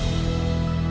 terima kasih mbak ita